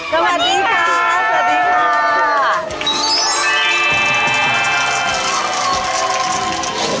หวัดดีค่า